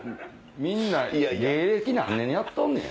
芸歴何年やっとんねん？